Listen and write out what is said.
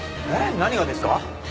何がですか？